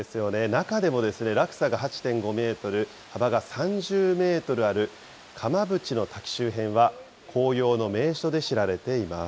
中でもですね、落差が８．５メートル、幅が３０メートルある釜淵の滝周辺は、紅葉の名所で知られています。